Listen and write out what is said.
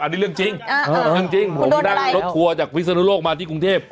อันนี้เรื่องจริงผมนั่งรถทัวร์จากวิศนุโลกมาที่กรุงเทพ